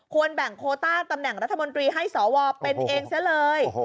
แบ่งโคต้าตำแหน่งรัฐมนตรีให้สวเป็นเองซะเลย